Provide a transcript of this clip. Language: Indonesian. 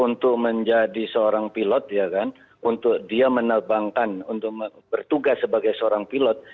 untuk menjadi seorang pilot ya kan untuk dia menerbangkan untuk bertugas sebagai seorang pilot